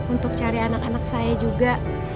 untuk cari anak anak saya juga